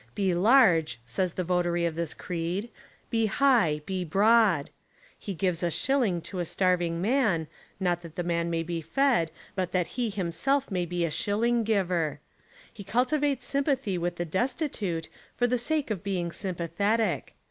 Be large, says the votary of this creed, be high, be broad. He gives a shilling to a starving man, not that the man may be fed but that he himself may be a shilling giver. He cultivates sympathy with the destitute for the sake of being sympa thetic.